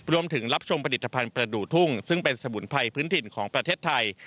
รับชมผลิตภัณฑ์ประดูกทุ่งซึ่งเป็นสมุนไพรพื้นถิ่นของประเทศไทย